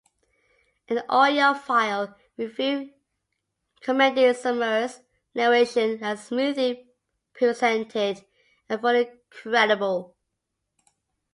An "AudioFile" review commended Summerer's narration as "smoothly presented and fully credible".